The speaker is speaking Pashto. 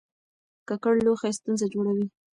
ککړ لوښي ستونزه جوړوي.